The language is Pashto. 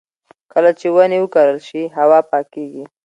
کله چې ونې وکرل شي، هوا پاکېږي.